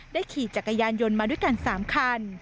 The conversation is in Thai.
ขี่จักรยานยนต์มาด้วยกัน๓คัน